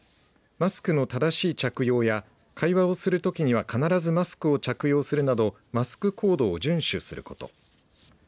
マスクの正しい着用や会話をするときには必ずマスクを着用するなどマスクコードを順守すること。